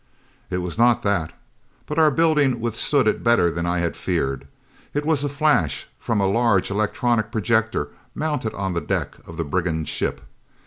It was not that. But our building withstood it better than I had feared. It was a flash from a large electronic projector mounted on the deck of the brigand ship.